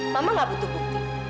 mama gak butuh bukti